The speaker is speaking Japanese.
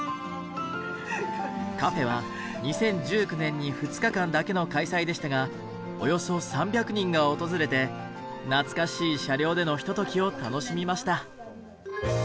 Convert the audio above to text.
カフェは２０１９年に２日間だけの開催でしたがおよそ３００人が訪れて懐かしい車両でのひとときを楽しみました。